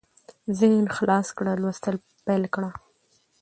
ذهن خلاص کړه لوستل پېل کړه